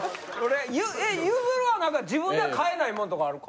ゆずるは何か自分では買えないもんとかあるか？